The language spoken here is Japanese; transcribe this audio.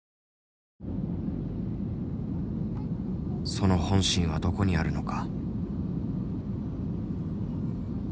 その本心はどこにあるのか。